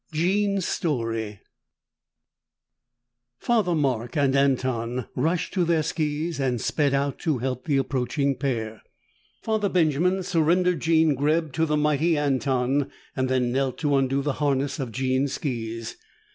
12: JEAN'S STORY Father Mark and Anton rushed to their skis and sped out to help the approaching pair. Father Benjamin surrendered Jean Greb to the mighty Anton, then knelt to undo the harness of Jean's skis.